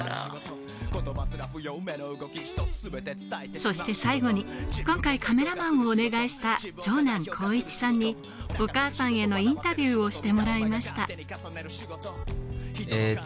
そして最後に今回カメラマンをお願いした長男・光一さんにお母さんへのインタビューをしてもらいました。